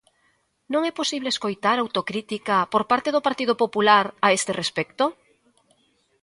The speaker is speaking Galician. ¿Non é posible escoitar autocrítica por parte do Partido Popular a este respecto?